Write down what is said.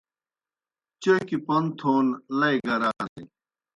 چوْکیْ پوْن تھون لئی گرانِن۔